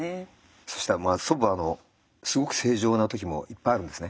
そしたら祖母はすごく正常な時もいっぱいあるんですね。